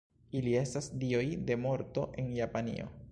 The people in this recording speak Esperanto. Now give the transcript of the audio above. Ili estas dioj de morto en Japanio.